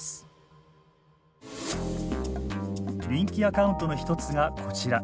人気アカウントの一つがこちら。